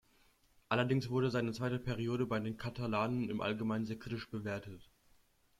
Allerdings wurde seine zweite Periode bei den Katalanen im Allgemeinen sehr kritisch bewertet.